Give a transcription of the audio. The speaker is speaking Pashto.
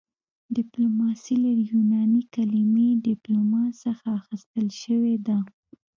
ډیپلوماسي له یوناني کلمې ډیپلوما څخه اخیستل شوې ده